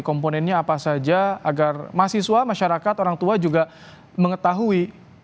komponennya apa saja agar mahasiswa masyarakat orang tua juga mengetahui